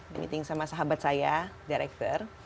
di meeting sama sahabat saya director